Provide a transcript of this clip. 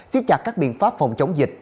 xích chặt các biện pháp phòng chống dịch